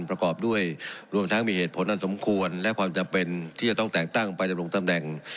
ประกอบด้วยรวมทั้งมีเหตุผลอันสมควรและความจำเป็นที่จะต้องแต่งตั้งไปดำรงตำแหน่ง